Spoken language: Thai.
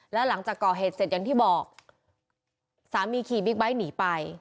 แล้วหลังจากก่อเหตุเสร็จอย่างที่บอกสามีขี่บิ๊กไบท์หนีไป